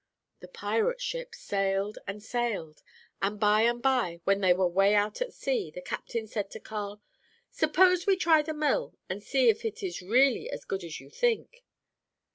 The pirate ship sailed and sailed, and by and by, when they were 'way out at sea, the captain said to Carl, 'Suppose we try the mill, and see if it is really as good as you think.'